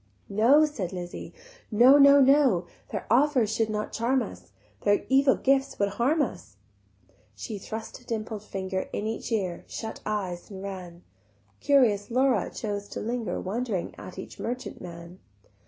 "No," said Lizzie, "No, no, no; Their offers should not charm us, Their evil gifts would harm us." She thrust a dimpled finger In each ear, shut eyes and ran: Curious Laura chose to linger Wondering at each merchant man.